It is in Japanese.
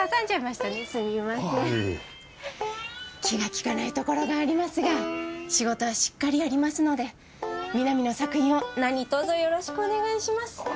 気が利かないところがありますが仕事はしっかりやりますので南の作品をなにとぞよろしくお願いします。